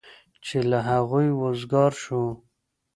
چې له هغوی وزګار شو.